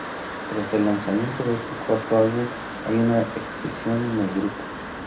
Tras el lanzamiento de este cuarto álbum, hay una escisión en el grupo.